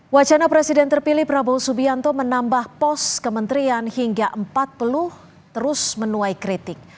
wacana presiden terpilih prabowo subianto menambah pos kementerian hingga empat puluh terus menuai kritik